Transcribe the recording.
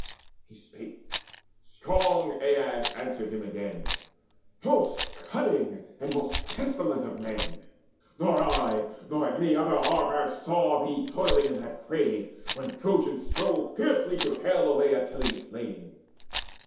He spake; strong Aias answered him again. "Most cunning and most pestilent of men, Nor I, nor any other Argive, saw Thee toiling in that fray, when Trojans strove Fiercely to hale away Achilles slain.